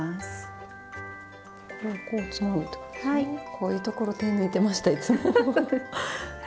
こういうところ手抜いてましたいつも。